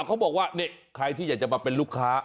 เขาบอกว่านี่ใครที่อยากจะมาเป็นลูกค้า